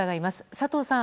佐藤さん